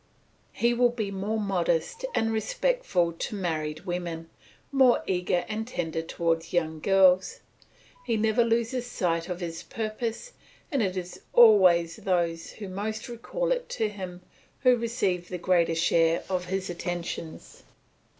He will be more modest and respectful to married women, more eager and tender towards young girls. He never loses sight of his purpose, and it is always those who most recall it to him who receive the greater share of his attentions.